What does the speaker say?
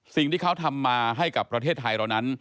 สิ่งที่เขาทำมาให้กับประเทศไทยเรานั้น